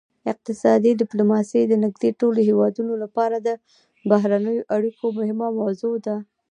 اقتصادي ډیپلوماسي د نږدې ټولو هیوادونو لپاره د بهرنیو اړیکو مهمه موضوع ده